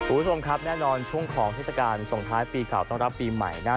คุณผู้ชมครับแน่นอนช่วงของเทศกาลส่งท้ายปีเก่าต้อนรับปีใหม่นะ